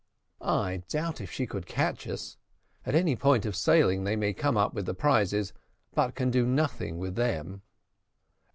"I doubt if she could catch us at any point of sailing: they may come up with the prizes, but can do nothing with them."